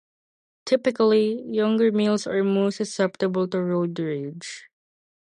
Typically, younger males are most susceptible to road rage.